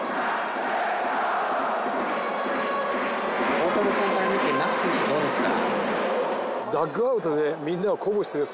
大友さんから見て牧選手どうですか？